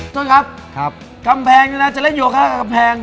ท่อนครับกำแพงนี้นะจะเล่นโยคะกับกำแพง